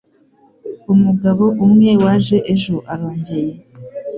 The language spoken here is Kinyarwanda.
Umugabo umwe waje ejo arongeye.